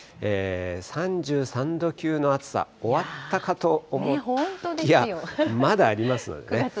３３度級の暑さ、終わったかと思いきや、まだありますのでね。